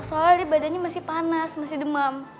soalnya badannya masih panas masih demam